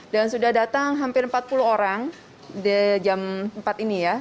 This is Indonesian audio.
dan sudah datang hampir empat puluh orang di jam empat ini ya